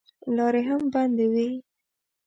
لارې هم بندې وې.